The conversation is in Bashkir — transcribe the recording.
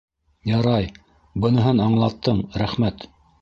- Ярай, быныһын аңлаттың, рәхмәт.